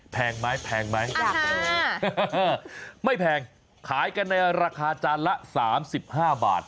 แพงไหมแพงไหมไม่แพงขายกันในราคาจานละ๓๕บาท